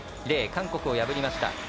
韓国を破りました。